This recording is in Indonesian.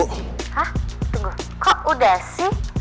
hah tunggu kok udah sih